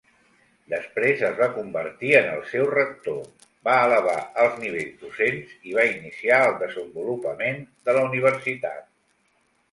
Després es va convertir en el seu rector, va elevar els nivells docents i va iniciar el desenvolupament de la Universitat.